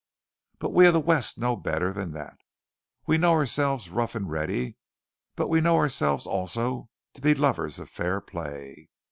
But we of the West know better than that. We know ourselves rough and ready, but we know ourselves also to be lovers of fair play.